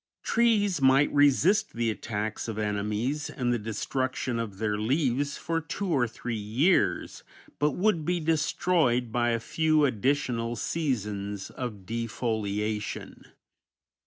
Trees might resist the attacks of enemies and the destruction of their leaves for two or three years, but would be destroyed by a few additional seasons of defoliation.